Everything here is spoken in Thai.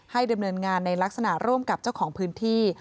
ดำเนินงานในลักษณะร่วมกับเจ้าของพื้นที่